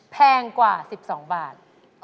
แพงกว่า๑๒บาท